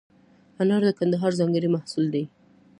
انار د کندهار ځانګړی محصول دی.